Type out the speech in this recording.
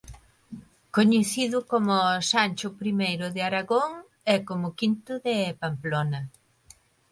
Coñecido como Sancho I de Aragón e como V de Pamplona.